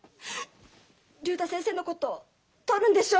竜太先生のこととるんでしょ？